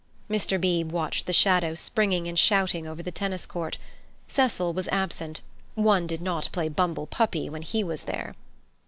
Mr. Beebe watched the shadow springing and shouting over the tennis court. Cecil was absent—one did not play bumble puppy when he was there.